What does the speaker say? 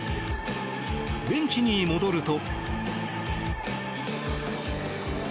ベンチに戻ると。